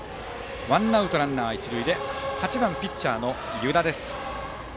ワンアウトランナー、一塁で打席は８番ピッチャー、湯田です。